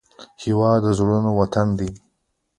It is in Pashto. هېواد د زړورو وطن دی